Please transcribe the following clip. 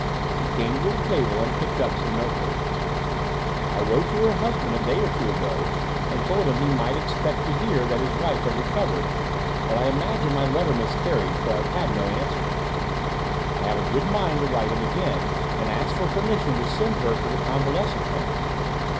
He came to the table and picked up some notepaper. "I wrote to her husband a day or two ago and told him he might expect to hear that his wife had recovered, but I imagine my letter miscarried, for I've had no answer. I have a good mind to write to him again and ask for permission to send her to the convalescent home.